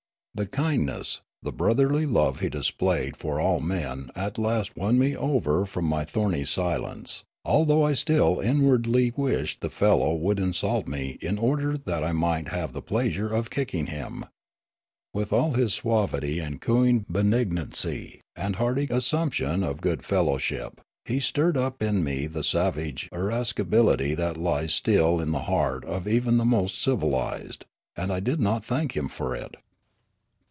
The kindness, the brotherly love he displayed for all men at last won me over from my thorny silence, although I still inwardly wished the fellow would in sult me in order that I might have the pleasure of kick ing him. With all his suavity and cooing benignancy and hearty assumption of good fellowship, he stirred up in me the savage irascibility that lies still in the heart of even the most civilised ; and I did not thank him for it.